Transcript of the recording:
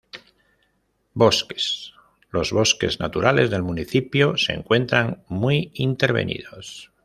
Bosques: Los bosques naturales del municipio se encuentran muy intervenidos.